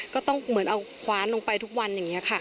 ก็ต้องเหมือนเอาคว้านลงไปทุกวันอย่างนี้ค่ะ